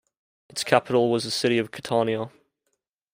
Its capital was the city of Catania.